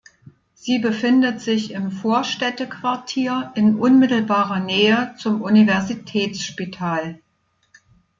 Sie befindet sich im "Vorstädte-Quartier" in unmittelbarer Nähe zum Universitätsspital.